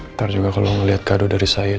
ntar juga kalau ngeliat kado dari saya